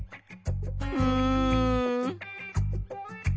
うん。